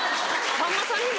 さんまさんにも？